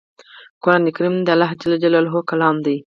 قران کریم د الله ج کلام دی